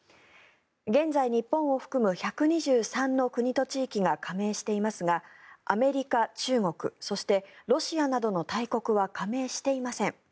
現在、日本を含む１２３の国と地域が加盟していますがアメリカ、中国そしてロシアなどの大国は加盟していません。